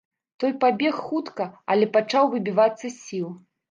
Той пабег хутка, але пачаў выбівацца з сіл.